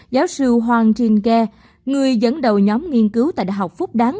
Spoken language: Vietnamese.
giáo sư hoàng trinh ghe người dẫn đầu nhóm nghiên cứu tại đại học phúc đáng